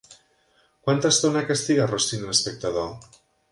Quanta estona castiga Rossini a l'espectador?